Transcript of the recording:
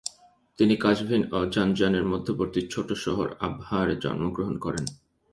তিনি কাজভিন ও জাঞ্জানের মধ্যবর্তী ছোট শহর আবহারে জন্মগ্রহণ করেন।